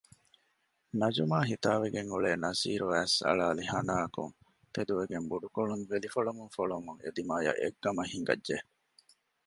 ނަޖުމާ ހިތާވެގެން އުޅޭ ނަސީރު އައިސް އަޅައިލި ހަނާއަކަށް ތެދުވެގެން ބުޑުކޮޅުން ވެލިފޮޅަމުންފޮޅަމުން އެދިމާޔަށް އެއްގަމަށް ހިނގައްޖެ